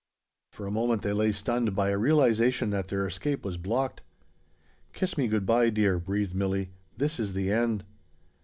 For a moment they lay stunned by a realization that their escape was blocked. "Kiss me good by, dear," breathed Milli. "This is the end."